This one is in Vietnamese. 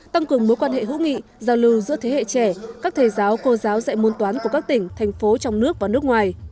tăng cường mối quan hệ hữu nghị giao lưu giữa thế hệ trẻ các thầy giáo cô giáo dạy môn toán của các tỉnh thành phố trong nước và nước ngoài